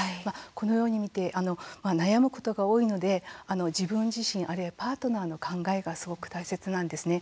このように、悩むことが多いので自分自身あるいはパートナーの考えがすごく大切なんですね。